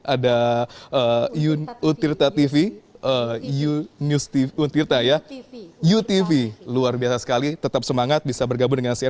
ada utirta tv untirta ya utv luar biasa sekali tetap semangat bisa bergabung dengan cnn